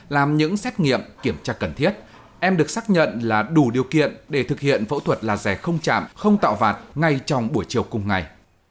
làm những xét nghiệm kiểm tra cần thiết em được xác nhận là đủ điều kiện để thực hiện phẫu thuật laser không chạm không tạo vạt ngay trong buổi chiều cùng ngày